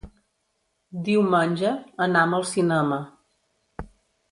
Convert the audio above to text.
Diumenge anam al cinema.